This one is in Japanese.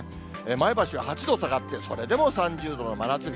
前橋は８度下がって、それでも３０度の真夏日。